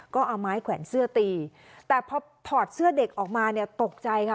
ก็เอาไม้แขวนเสื้อตีแต่พอถอดเสื้อเด็กออกมาเนี่ยตกใจค่ะ